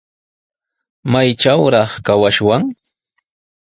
¿Maytrawraq kawashwan?